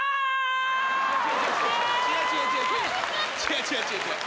違う違う違う違う。